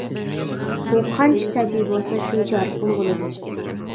ئۇ قانچە تەبىئىي بولسا شۇنچە يارقىن بولىدۇ.